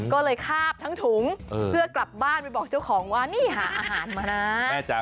ก็เลยคาบทั้งถุงเพื่อกลับบ้านไปบอกเจ้าของว่านี่หาอาหารมานะ